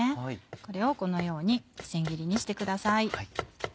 これをこのように千切りにしてください。